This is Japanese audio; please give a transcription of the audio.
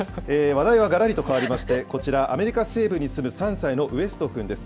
話題はがらりと変わりまして、こちら、アメリカ西部に住む３歳のウエストくんです。